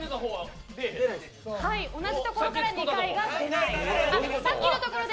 同じところから２回は出ません。